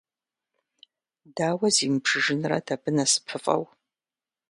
Дауэ зимыбжыжынрэт абы насыпыфӀэу!